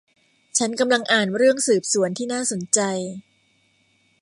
ฉันกำลังอ่านเรื่องสืบสวนที่น่าสนใจ